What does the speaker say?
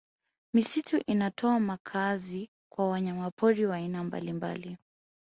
Misitu inatoa makazi kwa wanyamapori wa aina mbalimbali